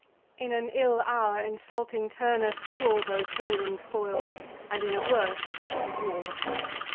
In an ill hour insulting Turnus tore Those golden spoils, and in a worse he wore.